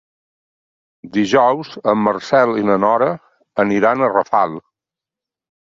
Dijous en Marcel i na Nora aniran a Rafal.